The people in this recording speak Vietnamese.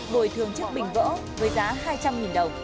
bồi thường chiếc bình vỡ với giá hai trăm linh đồng